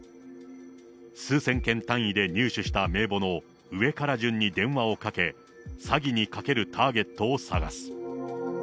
数千件単位で入手した名簿の上から順に電話をかけ、詐欺にかけるターゲットを探す。